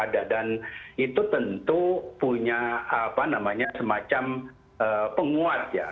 dan itu tentu punya apa namanya semacam penguat ya